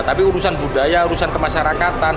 tapi urusan budaya urusan kemasyarakatan